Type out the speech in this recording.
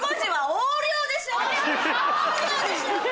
横領でしょ！